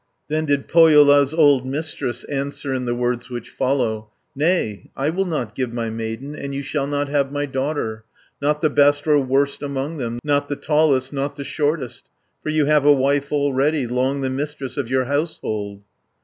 Then did Pohjola's old Mistress Answer in the words which follow: "Nay, I will not give my maiden, And you shall not have my daughter, 10 Not the best or worst among them, Not the tallest, not the shortest, For you have a wife already, Long the mistress of your household."